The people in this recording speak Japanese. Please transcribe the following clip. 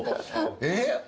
えっ？